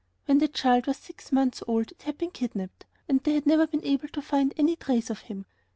When the child was six months old it had been kidnaped, and they had never been able to find any trace of him.